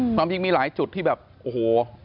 ตอนนี้มีหลายจุดที่แบบโอ้โห